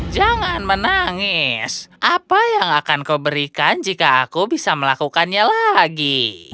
jangan menangis apa yang akan kau berikan jika aku bisa melakukannya lagi